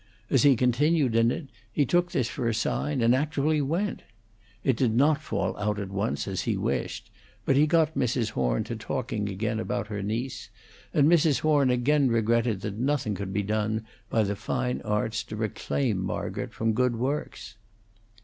As he continued in it, he took this for a sign and actually went. It did not fall out at once as he wished, but he got Mrs. Horn to talking again about her niece, and Mrs. Horn again regretted that nothing could be done by the fine arts to reclaim Margaret from good works.